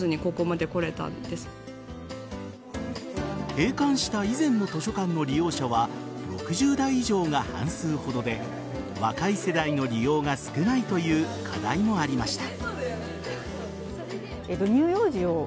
閉館した以前の図書館の利用者は６０代以上が半数ほどで若い世代の利用が少ないという課題もありました。